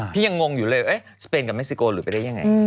ยังงงอยู่เลยสเปนกับเม็กซิโกหรือไปได้ยังไง